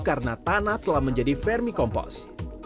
karena tanah telah menjadi vermicompost